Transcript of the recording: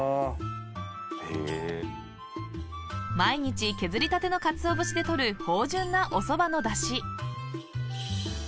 ［毎日削りたてのかつお節で取る芳醇なおそばのダシ］